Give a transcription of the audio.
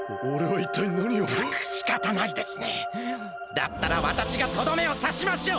だったらわたしがとどめをさしましょう！